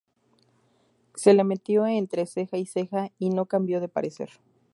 Se le metió entre ceja y ceja y no cambió de parecer